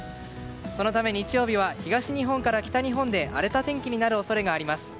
そのため日曜日は東日本から北日本で荒れた天気になる恐れがあります。